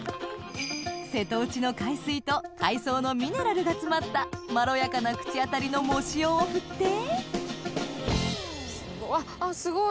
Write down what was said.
瀬戸内の海水と海藻のミネラルが詰まったまろやかな口当たりの藻塩を振ってすごいあっすごい！